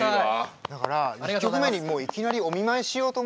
だから１曲目にいきなりお見舞いしようと思います。